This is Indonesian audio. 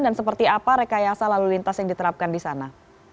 dan seperti apa rekayasa lalu lintas yang diterapkan di sana